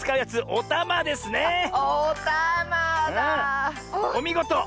おみごと！